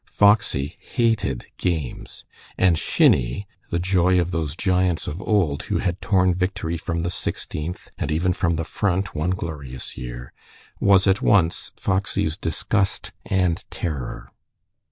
Foxy hated games, and shinny, the joy of those giants of old, who had torn victory from the Sixteenth, and even from the Front one glorious year, was at once Foxy's disgust and terror.